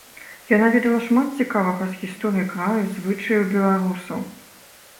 Яна ведала шмат цікавага з гісторыі краю, звычаяў беларусаў.